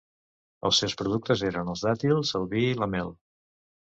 Els seus productes eren els dàtils, el vi i la mel.